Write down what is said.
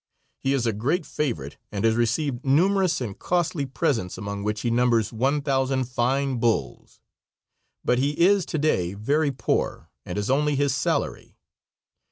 He is a great favorite, and has received numerous and costly presents, among which he numbers one thousand fine bulls. But he is to day very poor, and has only his salary.